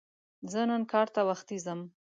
زه نن کار ته وختي ځم